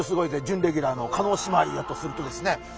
準レギュラーの叶姉妹だとするとですね